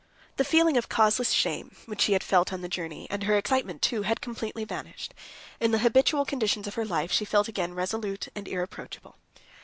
The feeling of causeless shame, which she had felt on the journey, and her excitement, too, had completely vanished. In the habitual conditions of her life she felt again resolute and irreproachable.